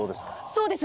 そうです！